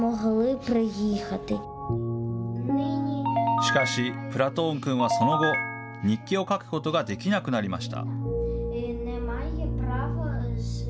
しかし、プラトーン君はその後、日記を書くことができなくなりました。